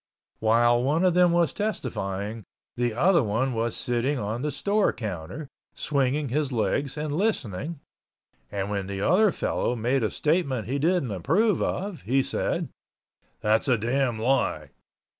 While one of them was testifying, the other one was sitting on the store counter, swinging his legs and listening, and when the other fellow made a statement he didn't approve of he said, "That's a damn lie."